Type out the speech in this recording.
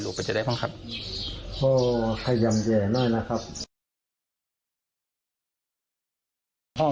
ลูกไปจะได้ฟังครับพ่อขยังแย่หน่อยนะครับ